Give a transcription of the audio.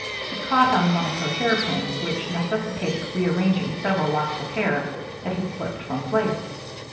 It caught on one of her hair pins, which necessitated rearranging several locks of hair that had slipped from place.